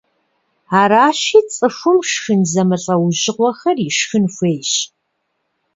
Аращи, цӀыхум шхын зэмылӀэужъыгъуэхэр ишхын хуейщ.